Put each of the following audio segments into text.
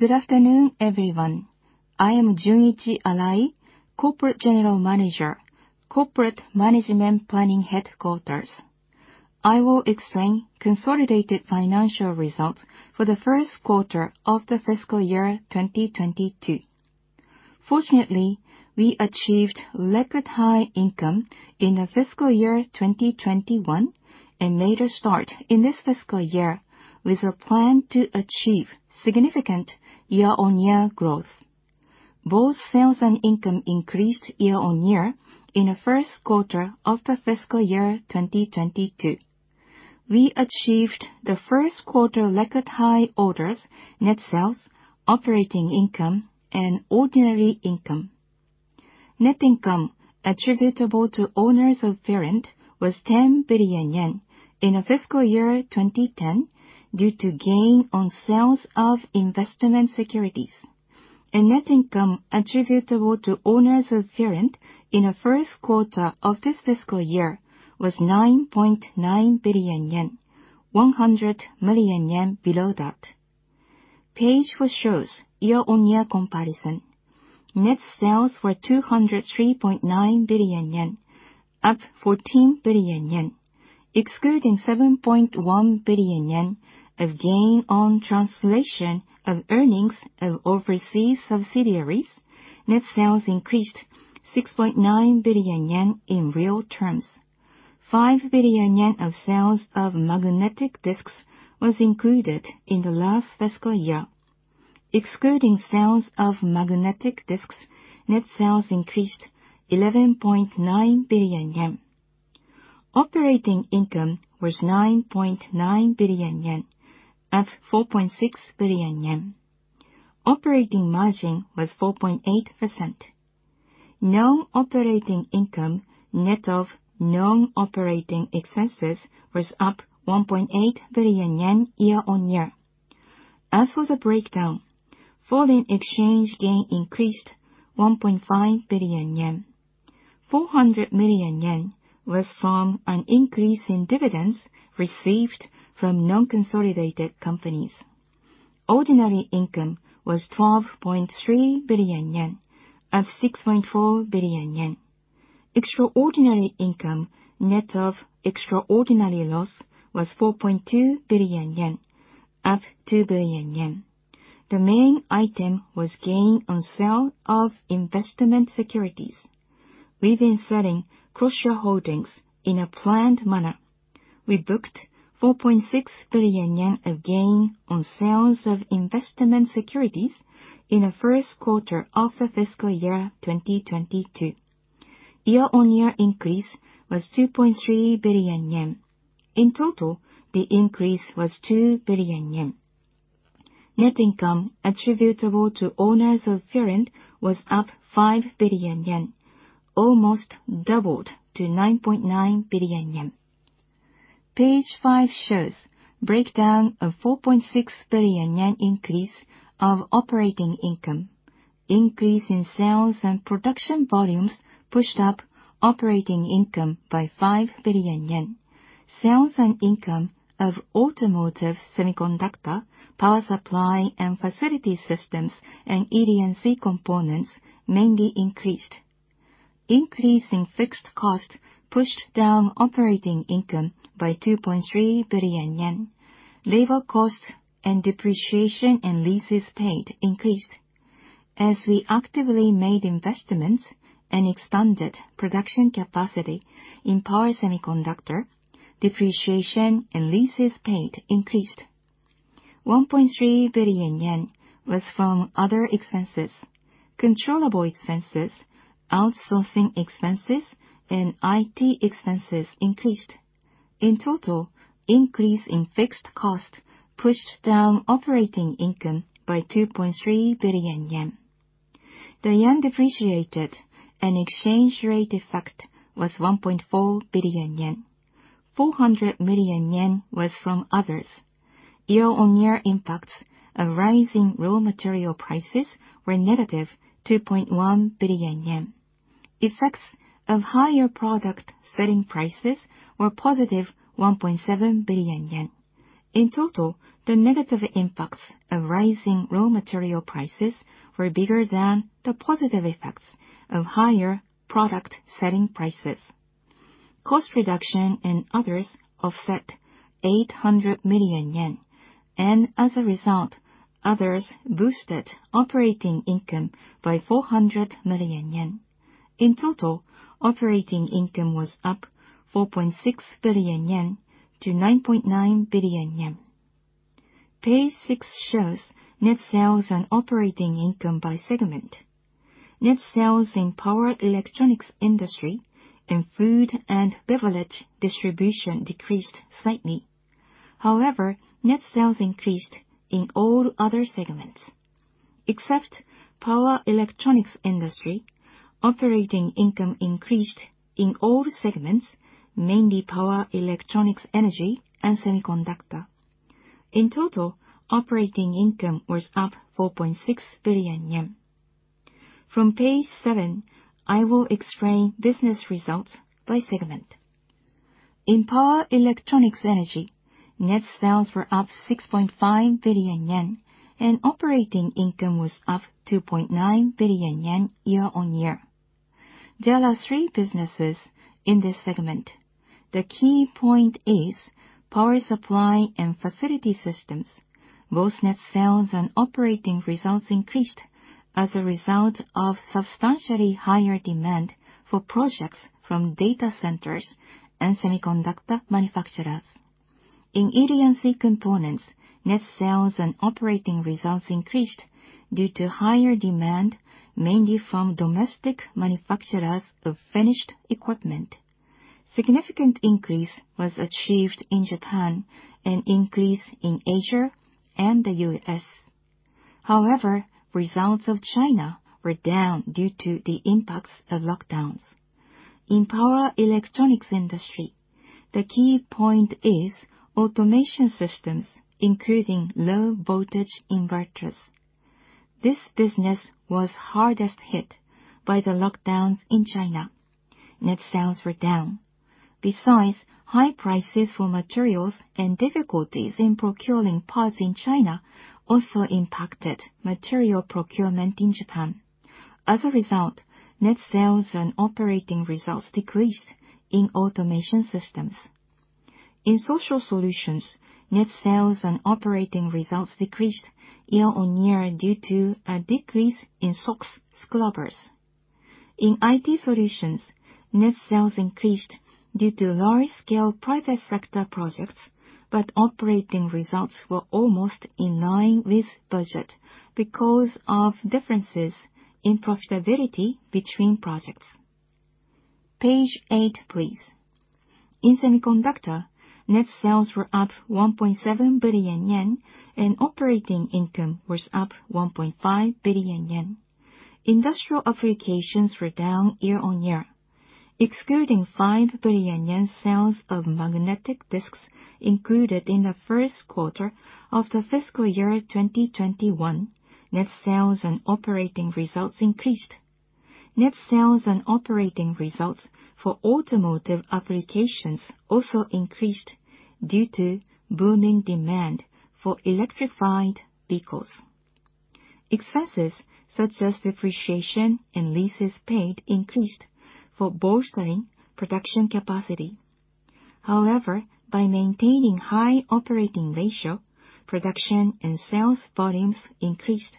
Good afternoon, everyone. I am Junichi Arai, Corporate General Manager, Corporate Management Planning Headquarters. I will explain consolidated financial results for the Q1 of the fiscal year 2022. Fortunately, we achieved record high income in the fiscal year 2021 and made a start in this fiscal year with a plan to achieve significant year-on-year growth. Both sales and income increased year-on-year in the Q1 of the fiscal year 2022. We achieved the Q1 record high orders, net sales, operating income and ordinary income. Net income attributable to owners of parent was 10 billion yen in the fiscal year 2010 due to gain on sales of investment securities. Net income attributable to owners of parent in the Q1 of this fiscal year was 9.9 billion yen, 100 million yen below that. Page four shows year-on-year comparison. Net sales were 203.9 billion yen, up 14 billion yen. Excluding 7.1 billion yen of gain on translation of earnings of overseas subsidiaries, net sales increased 6.9 billion yen in real terms. 5 billion yen of sales of magnetic discs was included in the last fiscal year. Excluding sales of magnetic discs, net sales increased 11.9 billion yen. Operating income was 9.9 billion yen, up 4.6 billion yen. Operating margin was 4.8%. Non-operating income, net of non-operating expenses was up 1.8 billion yen year-on-year. As for the breakdown, foreign exchange gain increased 1.5 billion yen. 400 million yen was from an increase in dividends received from non-consolidated companies. Ordinary income was 12.3 billion yen, up 6.4 billion yen. Extraordinary income, net of extraordinary loss, was 4.2 billion yen, up 2 billion yen. The main item was gain on sale of investment securities. We've been selling cross-shareholdings in a planned manner. We booked 4.6 billion yen of gain on sales of investment securities in the Q1 of the fiscal year 2022. Year-on-year increase was 2.3 billion yen. In total, the increase was 2 billion yen. Net income attributable to owners of parent was up 5 billion yen, almost doubled to 9.9 billion yen. Page five shows breakdown of 4.6 billion yen increase of operating income. Increase in sales and production volumes pushed up operating income by 5 billion yen. Sales and income of automotive semiconductor, power supply and facility systems and ED&C Components mainly increased. Increase in fixed cost pushed down operating income by 2.3 billion yen. Labor costs and depreciation and leases paid increased. As we actively made investments and expanded production capacity in power semiconductor, depreciation and leases paid increased. 1.3 billion yen was from other expenses. Controllable expenses, outsourcing expenses and IT expenses increased. In total, increase in fixed cost pushed down operating income by 2.3 billion yen. The yen depreciated and exchange rate effect was 1.4 billion yen. 400 million yen was from others. Year-on-year impacts of rising raw material prices were -2.1 billion yen. Effects of higher product selling prices were +1.7 billion yen. In total, the negative impacts of rising raw material prices were bigger than the positive effects of higher product selling prices. Cost reduction and others offset 800 million yen. As a result, others boosted operating income by 400 million yen. In total, operating income was up 4.6 billion yen to 9.9 billion yen. Page six shows net sales and operating income by segment. Net sales in Power Electronics Industry and Food and Beverage Distribution decreased slightly. However, net sales increased in all other segments. Except Power Electronics Industry, operating income increased in all segments, mainly Power Electronics Energy and Semiconductors. In total, operating income was up 4.6 billion yen. From page seven, I will explain business results by segment. In Power Electronics Energy, net sales were up 6.5 billion yen, and operating income was up 2.9 billion yen year-on-year. There are three businesses in this segment. The key point is Power supply and facility systems. Both net sales and operating results increased as a result of substantially higher demand for projects from data centers and semiconductor manufacturers. In ED&C Components, net sales and operating results increased due to higher demand, mainly from domestic manufacturers of finished equipment. Significant increase was achieved in Japan, an increase in Asia and the U.S. However, results of China were down due to the impacts of lockdowns. In Power Electronics Industry, the key point is Automation Systems, including low-voltage inverters. This business was hardest hit by the lockdowns in China. Net sales were down. Besides, high prices for materials and difficulties in procuring parts in China also impacted material procurement in Japan. As a result, net sales and operating results decreased in Automation Systems. In Social Solutions, net sales and operating results decreased year-on-year due to a decrease in SOx scrubbers. In IT solutions, net sales increased due to large scale private sector projects, but operating results were almost in line with budget because of differences in profitability between projects. Page eight, please. In Semiconductors, net sales were up 1.7 billion yen, and operating income was up 1.5 billion yen. Industrial applications were down year-on-year, excluding 5 billion yen sales of magnetic disks included in the Q1 of the fiscal year 2021, net sales and operating results increased. Net sales and operating results for automotive applications also increased due to booming demand for electrified vehicles. Expenses such as depreciation and leases paid increased for bolstering production capacity. However, by maintaining high operating ratio, production and sales volumes increased.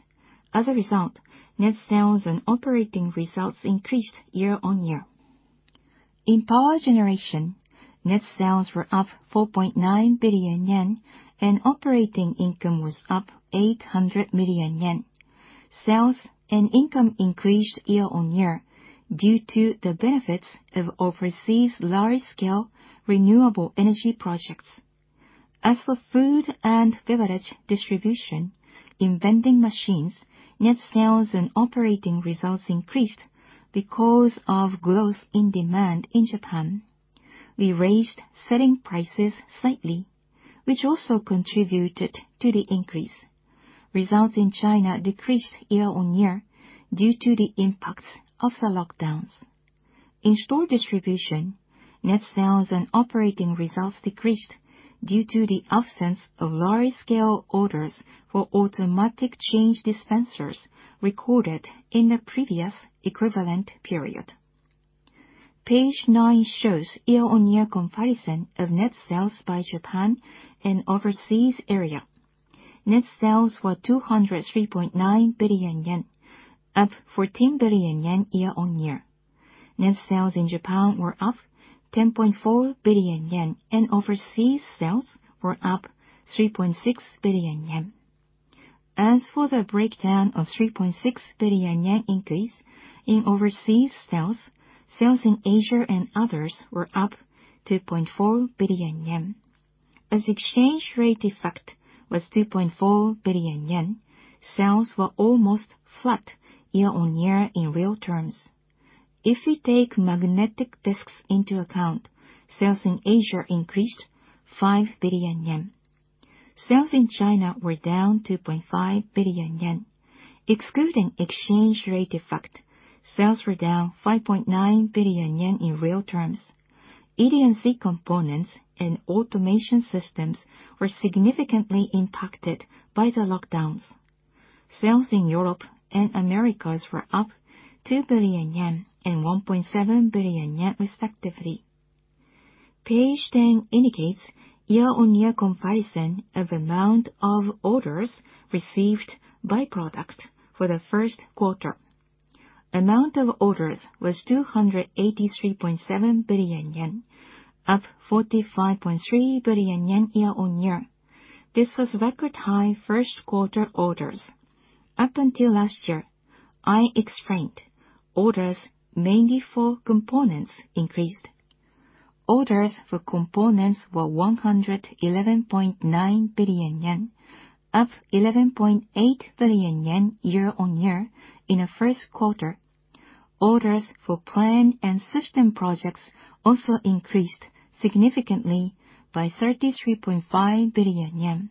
As a result, net sales and operating results increased year-on-year. In Power Generation, net sales were up 4.9 billion yen and operating income was up 800 million yen. Sales and income increased year-on-year due to the benefits of overseas large scale renewable energy projects. As for Food and Beverage Distribution in vending machines, net sales and operating results increased because of growth in demand in Japan. We raised selling prices slightly, which also contributed to the increase. Results in China decreased year-on-year due to the impacts of the lockdowns. In store distribution, net sales and operating results decreased due to the absence of large scale orders for automatic change dispensers recorded in the previous equivalent period. Page nine shows year-on-year comparison of net sales by Japan and overseas area. Net sales were 203.9 billion yen, up 14 billion yen year-on-year. Net sales in Japan were up 10.4 billion yen, and overseas sales were up 3.6 billion yen. As for the breakdown of 3.6 billion yen increase in overseas sales in Asia and others were up 2.4 billion yen. As exchange rate effect was 2.4 billion yen, sales were almost flat year-on-year in real terms. If we take magnetic disks into account, sales in Asia increased 5 billion yen. Sales in China were down 2.5 billion yen. Excluding exchange rate effect, sales were down 5.9 billion yen in real terms. ED&C Components and Automation Systems were significantly impacted by the lockdowns. Sales in Europe and Americas were up 2 billion yen and 1.7 billion yen respectively. Page ten indicates year-on-year comparison of amount of orders received by products for the Q1. Amount of orders was 283.7 billion yen, up 45.3 billion yen year-on-year. This was record-high Q1 orders. Up until last year, I explained orders mainly for components increased. Orders for components were 111.9 billion yen, up 11.8 billion yen year-on-year in the Q1. Orders for plant and system projects also increased significantly by 33.5 billion yen.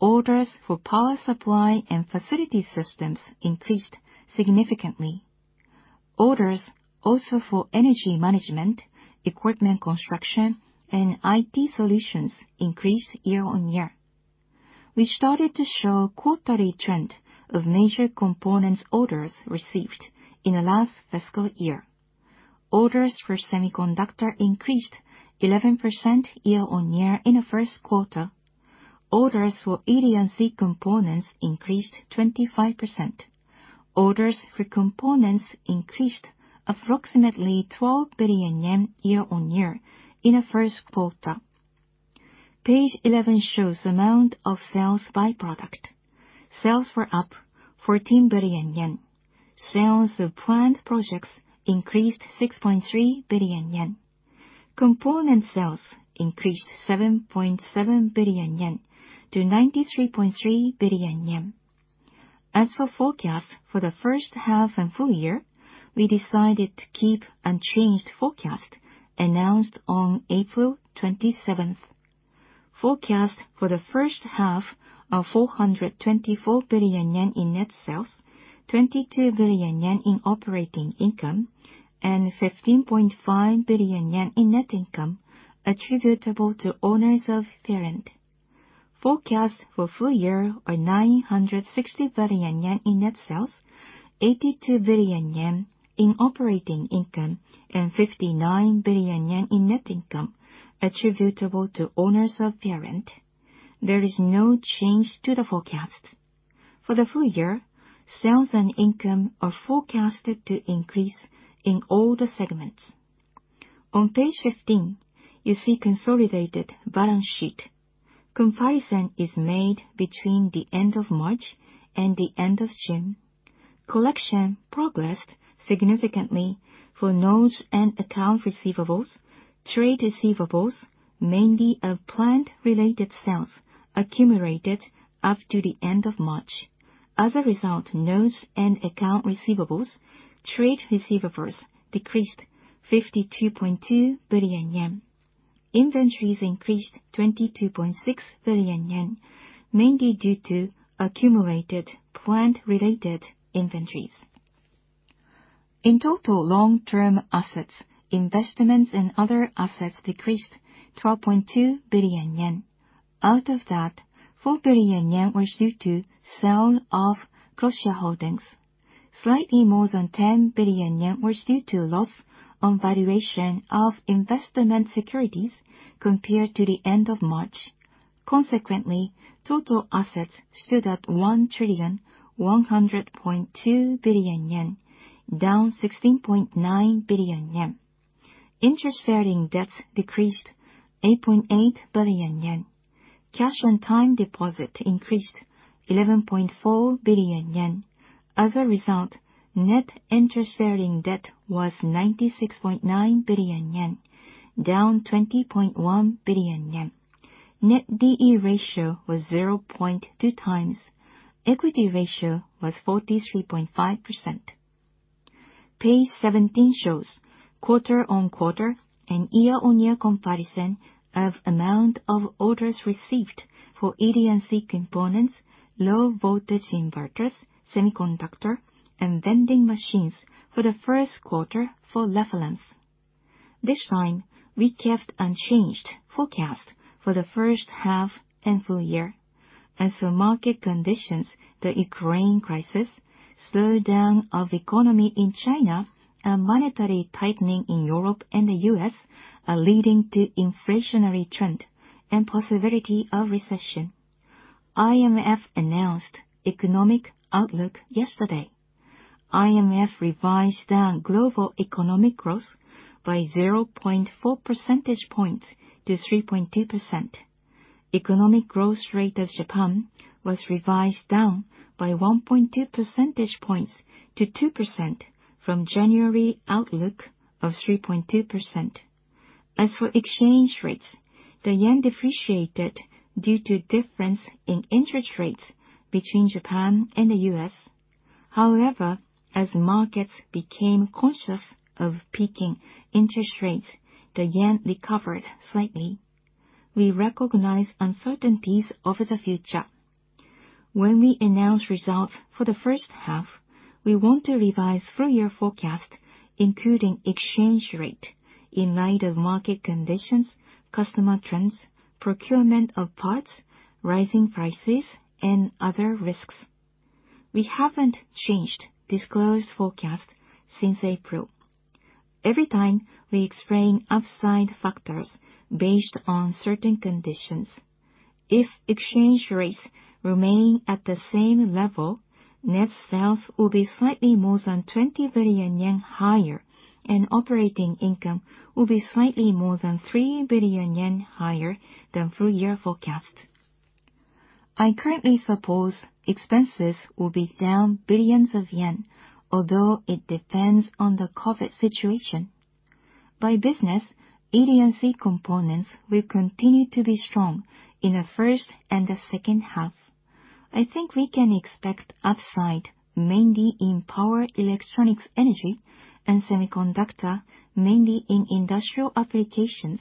Orders for power supply and facility systems increased significantly. Orders also for energy management, equipment construction, and IT solutions increased year-on-year. We started to show quarterly trend of major components orders received in the last fiscal year. Orders for semiconductors increased 11% year-on-year in the Q1. Orders for ED&C Components increased 25%. Orders for components increased approximately 12 billion yen year-on-year in the Q1. Page eleven shows amount of sales by product. Sales were up 14 billion yen. Sales of plant projects increased 6.3 billion yen. Component sales increased 7.7 billion yen to 93.3 billion yen. As for forecast for the H1 and full year, we decided to keep unchanged forecast announced on April 27. Forecast for the H1 are 424 billion yen in net sales, 22 billion yen in operating income, and 15.5 billion yen in net income attributable to owners of parent. Forecast for full year are 960 billion yen in net sales, 82 billion yen in operating income, and 59 billion yen in net income attributable to owners of parent. There is no change to the forecast. For the full year, sales and income are forecasted to increase in all the segments. On page 15, you see consolidated balance sheet. Comparison is made between the end of March and the end of June. Collection progressed significantly for notes and accounts receivable. Trade receivables, mainly from plant-related sales accumulated up to the end of March. As a result, notes and accounts receivable, trade receivables decreased 52.2 billion yen. Inventories increased 22.6 billion yen, mainly due to accumulated plant-related inventories. In total long-term assets, investments and other assets decreased 12.2 billion yen. Out of that, 4 billion yen was due to sale of cross-shareholdings. Slightly more than 10 billion yen was due to loss on valuation of investment securities compared to the end of March. Consequently, total assets stood at 1,100.2 billion yen, down 16.9 billion yen. Interest-bearing debts decreased 8.8 billion yen. Cash and time deposits increased 11.4 billion yen. As a result, net interest-bearing debt was 96.9 billion yen, down 20.1 billion yen. Net D/E ratio was 0.2 times. Equity ratio was 43.5%. Page 17 shows quarter-on-quarter and year-on-year comparison of amount of orders received for ED&C Components, low-voltage inverters, semiconductors, and vending machines for the Q1 for reference. This time we kept unchanged forecast for the H1 and full year. As for market conditions, the Ukraine crisis, slowdown of economy in China, and monetary tightening in Europe and the U.S. are leading to inflationary trend and possibility of recession. IMF announced economic outlook yesterday. IMF revised down global economic growth by 0.4 percentage points to 3.2%. Economic growth rate of Japan was revised down by 1.2 percentage points to 2% from January outlook of 3.2%. As for exchange rates, the yen depreciated due to difference in interest rates between Japan and the U.S. However, as markets became conscious of peaking interest rates, the yen recovered slightly. We recognize uncertainties over the future. When we announce results for the H1, we want to revise full year forecast, including exchange rate in light of market conditions, customer trends, procurement of parts, rising prices, and other risks. We haven't changed disclosed forecast since April. Every time we explain upside factors based on certain conditions. If exchange rates remain at the same level, net sales will be slightly more than 20 billion yen higher and operating income will be slightly more than 3 billion yen higher than full-year forecast. I currently suppose expenses will be down billions of JPY, although it depends on the COVID situation. By business, ED&C Components will continue to be strong in the first and the H2. I think we can expect upside mainly in Power Electronics Energy and Semiconductors, mainly in industrial applications.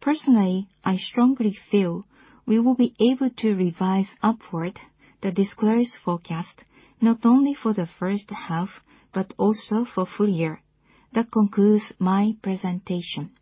Personally, I strongly feel we will be able to revise upward the disclosed forecast, not only for the H1, but also for full year. That concludes my presentation.